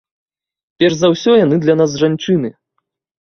Перш за ўсё яны для нас жанчыны.